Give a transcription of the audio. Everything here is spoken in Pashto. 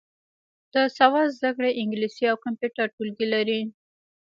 د سواد زده کړې انګلیسي او کمپیوټر ټولګي لري.